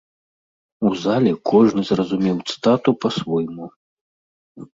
У зале кожны зразумеў цытату па-свойму.